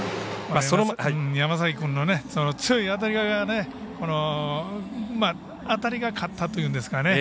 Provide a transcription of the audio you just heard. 山崎君の強い当たりが当たりが勝ったというんですかね。